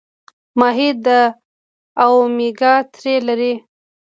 ماهي د اومیګا تري لري